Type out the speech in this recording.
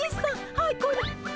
はいこれ。